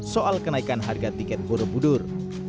soal kenaikan harga tiket borobudur